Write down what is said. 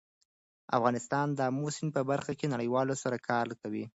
افغانستان د آمو سیند په برخه کې نړیوالو سره کار کوي.